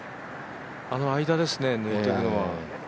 あの間ですね抜いていくのは。